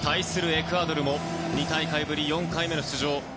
エクアドルも２大会ぶり４回目の出場。